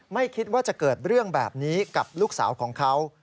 ไม่คิดว่าจะเกิดเรื่องแบบนี้กับลูกสาวของเขา